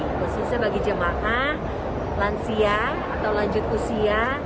khususnya bagi jemaah lansia atau lanjut usia